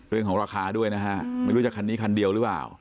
เรื่องของราคาด้วยนะฮะไม่รู้จะคันนี้คันเดียวหรือเปล่า